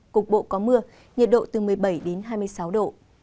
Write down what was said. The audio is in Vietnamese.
cục bộ có mưa nhiệt độ từ một mươi bảy đến hai mươi sáu độ